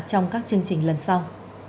trong các chương trình lần sau